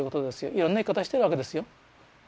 いろんな生き方してるわけですよ。